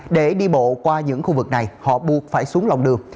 để đi bộ qua những khu vực này họ buộc phải xuống lòng đường